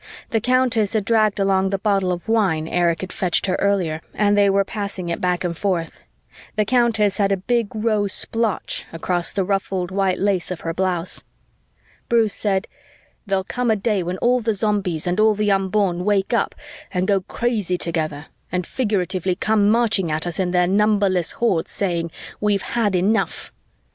The Countess had dragged along the bottle of wine Erich had fetched her earlier and they were passing it back and forth. The Countess had a big rose splotch across the ruffled white lace of her blouse. Bruce said, "There'll come a day when all the Zombies and all the Unborn wake up and go crazy together and figuratively come marching at us in their numberless hordes, saying, 'We've had enough.'"